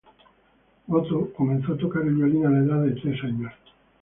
Goto comenzó a tocar el violin a la edad de tres años.